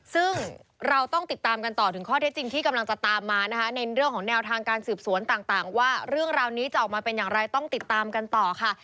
ซึ่งเราต้องติดตามกันต่อถึงข้อเท็จจริงที่กำลังจะตามมานะคะในเรื่องของแนวทางการสืบสวนต่างว่าเรื่องราวนี้จะออกมาเป็นอย่างไรต้องติดตามกันต่อค่ะ